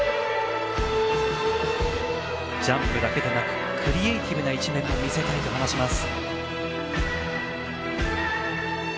ジャンプだけでなくクリエーティブな一面も見せたいと話しています。